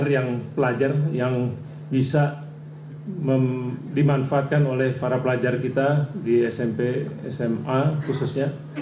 yang pelajar yang bisa dimanfaatkan oleh para pelajar kita di smp sma khususnya